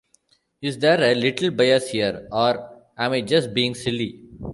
Is there a little bias here, or am I just being silly?